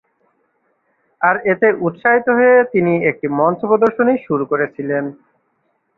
আর এতে উৎসাহিত হয়ে তিনি একটি মঞ্চ প্রদর্শনী শুরু করেছিলেন।